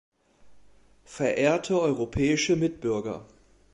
Verehrte europäische Mitbürger!